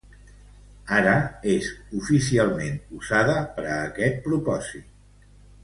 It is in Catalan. Ara, és oficialment usada per a este propòsit.